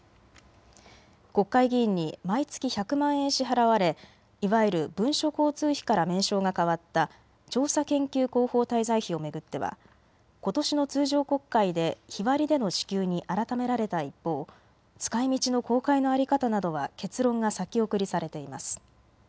国会議員に毎月１００万円支払われいわゆる文書交通費から名称が変わった調査研究広報滞在費を巡ってはことしの通常国会で日割りでの支給に改められた一方、使いみちの公開の在り方などは結論が先送りされています。